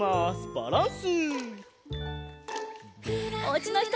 バランス！